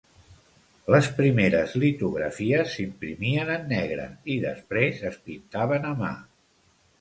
Les primeres litografies s'imprimien en negre i després es pintaven a mà.